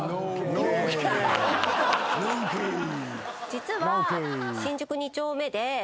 実は。